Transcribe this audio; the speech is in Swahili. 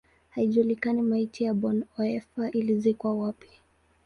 Haijulikani maiti ya Bonhoeffer ilizikwa wapi.